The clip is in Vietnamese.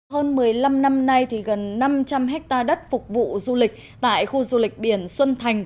hơn một mươi năm năm nay gần năm trăm linh hectare đất phục vụ du lịch tại khu du lịch biển xuân thành